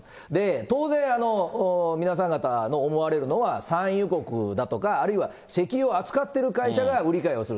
当然、皆さん方の思われるのは産油国だとか、あるいは石油を扱ってる会社が売り買いをする。